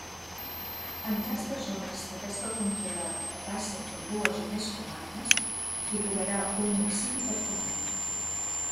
En cas de zones de pesca controlada que passen per dues o més comarques, hi figurarà un municipi per comarca.